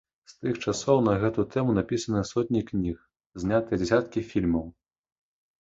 З тых часоў на гэту тэму напісаныя сотні кніг, знятыя дзясяткі фільмаў.